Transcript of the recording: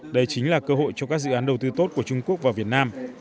đây chính là cơ hội cho các dự án đầu tư tốt của trung quốc vào việt nam